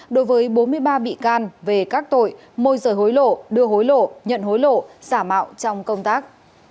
đối với bốn mươi ba bị can về các tội môi rời hối lộ đưa hối lộ nhận hối lộ xả mạo trong công tác